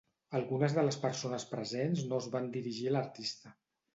Algunes de les persones presents no es van dirigir a l'artista.